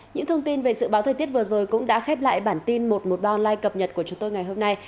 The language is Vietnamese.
những thông tin về sự báo thời tiết vừa rồi cũng đã khép lại bản tin một trăm một mươi ba online cập nhật của chúng tôi ngày hôm nay